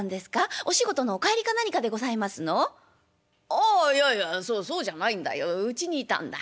「ああいやいやそうじゃないんだようちにいたんだ。